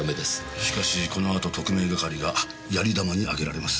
しかしこのあと特命係がやり玉にあげられます。